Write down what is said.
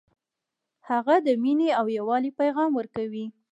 هغه د مینې او یووالي پیغام ورکوي